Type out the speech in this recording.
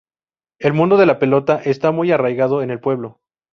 El mundo de la pelota está muy arraigado en el pueblo.